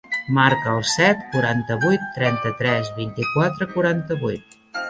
Marca el set, quaranta-vuit, trenta-tres, vint-i-quatre, quaranta-vuit.